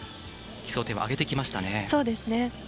基礎点を上げてきましたね。